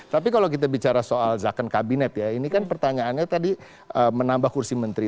tapi kalau kita bicara soal zakon kabinet ya ini kan pertanyaannya tadi menambah kursi menteri